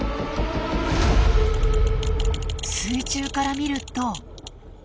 水中から見るとわお。